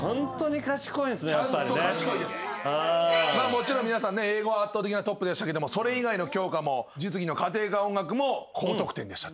もちろん皆さんね英語は圧倒的なトップでしたけどもそれ以外の教科も実技の家庭科音楽も高得点でした。